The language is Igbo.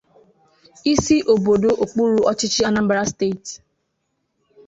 isi obodo okpuru ọchịchị 'Anambra East'